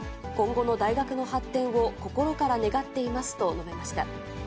今後の大学の発展を心から願っていますと述べました。